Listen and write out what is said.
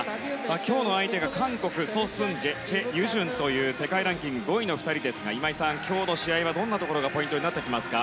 今日の相手が韓国のソ・スンジェチェ・ユジュンという世界ランキング５位の２人ですが今井さん、今日の試合はどんなところがポイントになってきますか。